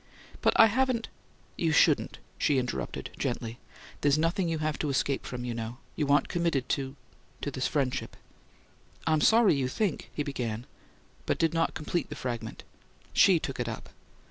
"But I haven't " "You shouldn't," she interrupted, gently. "There's nothing you have to escape from, you know. You aren't committed to to this friendship." "I'm sorry you think " he began, but did not complete the fragment. She took it up.